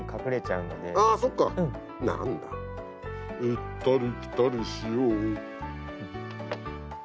行ったり来たりしよう。